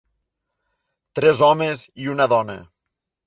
Tres homes i una dona.